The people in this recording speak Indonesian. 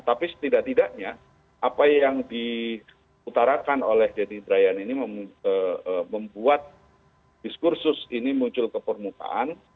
tapi setidak tidaknya apa yang diutarakan oleh deddy dryan ini membuat diskursus ini muncul ke permukaan